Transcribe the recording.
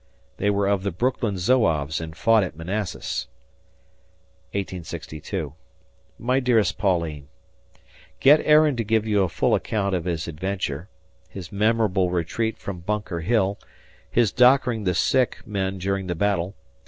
... They were of the Brooklyn Zouaves and fought at Manassas. 1862. My dearest Pauline: Get Aaron to give you a full account of his adventure, his memorable retreat from Bunker Hill, his doctoring the sick men 1 during the battle.